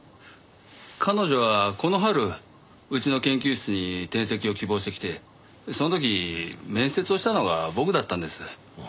彼女はこの春うちの研究室に転籍を希望してきてその時面接をしたのが僕だったんです。